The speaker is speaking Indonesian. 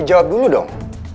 jawab dulu dong